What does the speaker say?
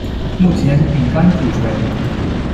目前饼干组成。